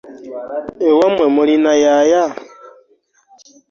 Ewamwe mulina yaaya?